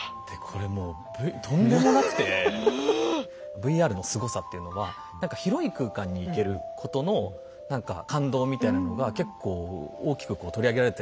ＶＲのすごさっていうのは何か広い空間に行けることの何か感動みたいなのが結構大きく取り上げられたイメージだったんですね。